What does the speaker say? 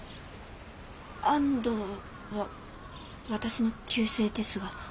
安東は私の旧姓ですが。